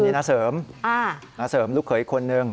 อันนี้นาเสริมลูกเขยอีกคนนึง